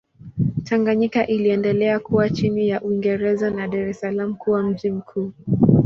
Tanganyika iliendelea kuwa chini ya Uingereza na Dar es Salaam kuwa mji mkuu.